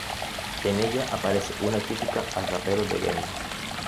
En ella aparece una crítica al rapero The Game.